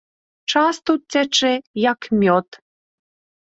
Час тут цячэ як мёд.